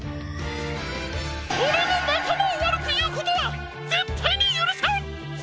オレのなかまをわるくいうことはぜったいにゆるさん！